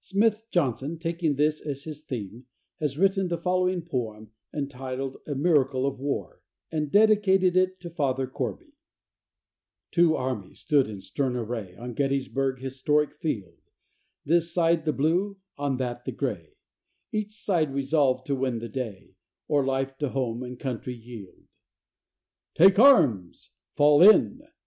Smith Johnson, taking this as his theme, has written the following poem, entitled "A Miracle of War," and dedicated it to Father Corby: Two armies stood in stern array On Gettysburg's historic field This side the blue, on that the gray Each side resolved to win the day, Or life to home and country yield. "Take arms!" "Fall in!"